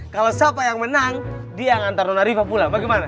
kalau siapa yang menang dia yang nganter dona rifah pulang bagaimana